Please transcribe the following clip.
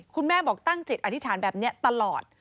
คุณแม่บอกตั้งจิตอธิษฐานแบบนี้ตลอด